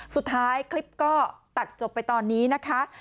สุดท้ายคลิปก็ตัดจบไปตอนนี้นะคะ